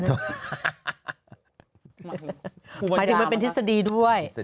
หมายถึงมันเป็นทฤษฎีด้วย